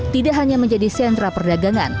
tidak hanya menjadi sentra perdagangan